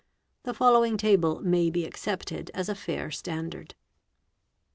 The following table may be accepted as a fair standard.